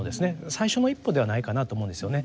最初の一歩ではないかなと思うんですよね。